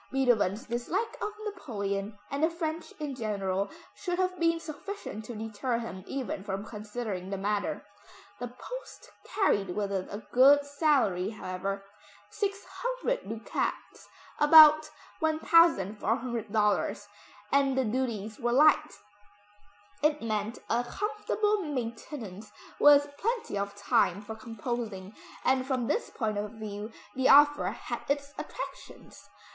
Beethoven's dislike of Napoleon, and the French in general, should have been sufficient to deter him even from considering the matter. The post carried with it a good salary however, 600 ducats (about $1,400), and the duties were light. It meant a comfortable maintenance with plenty of time for composing, and from this point of view, the offer had its attractions.